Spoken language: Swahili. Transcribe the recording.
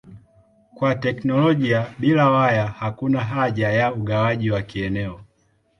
Kwa teknolojia bila waya hakuna haja ya ugawaji wa kieneo.